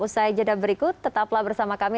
usai jeda berikut tetaplah bersama kami